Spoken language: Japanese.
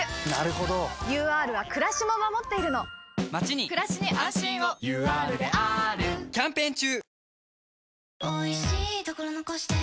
ＵＲはくらしも守っているのまちにくらしに安心をＵＲであーるキャンペーン中！